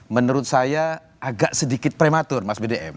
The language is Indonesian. menurut saya agak sedikit prematur mas bdm